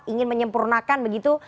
ingin menyempurnakan begitu